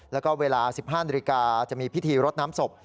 แล้วก็เวลาสิบห้านนิริกาจะมีพิธีรดน้ำศพ